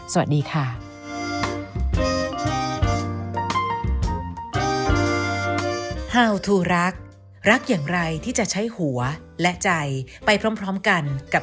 สวัสดีค่ะ